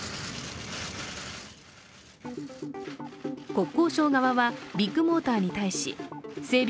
国交省側はビッグモーターに対し整備